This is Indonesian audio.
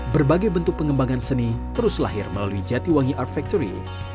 berbagai bentuk pengembangan seni terus lahir melalui jatiwangi art factory